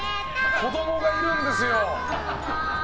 子供がいるんですよ。